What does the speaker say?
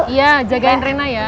iya jagain rena ya